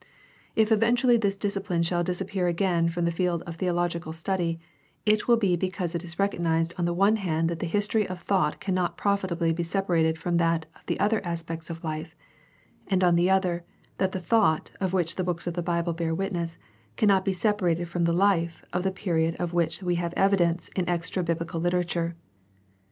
If eventually this discipline shall disappear again from the field of theological study, it will be because it is recognized on the one hand that the history of thought cannot profitably be separated from that of the other aspects of life, and on the other that the thought of which the books of the Bible bear witness cannot be separated from the life of the period of which we have evidence in extra biblical literature.